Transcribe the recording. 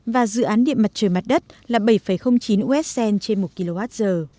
và dự án điện mặt trời mặt đất là bảy chín us cent trên một kwh